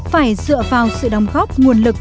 phải dựa vào sự đóng góp nguồn lực